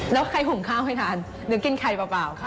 แล้วใครหุงข้าวให้ทานหรือกินไข่เปล่าค่ะ